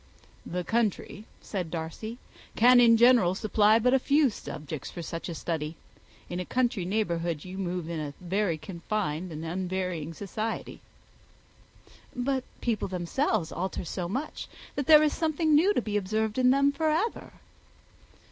"The country," said Darcy, "can in general supply but few subjects for such a study. In a country neighbourhood you move in a very confined and unvarying society." "But people themselves alter so much, that there is something new to be observed in them for ever."